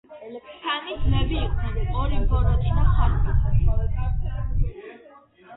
სამი ძმები იყვნენ. ორი ბოროტი და ხარბი